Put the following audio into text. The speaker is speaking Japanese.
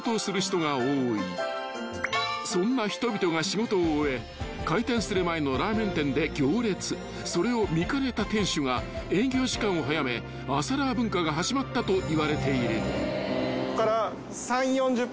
［そんな人々が仕事を終え開店する前のラーメン店で行列それを見かねた店主が営業時間を早め朝ラー文化が始まったといわれている］